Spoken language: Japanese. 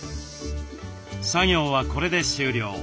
作業はこれで終了。